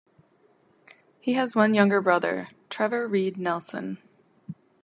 He has one younger brother, Trevor Reed Nelson.